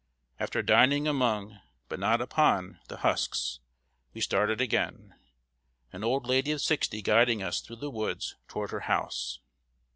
After dining among, but not upon, the husks, we started again, an old lady of sixty guiding us through the woods toward her house.